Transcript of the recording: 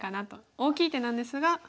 大きい手なんですが。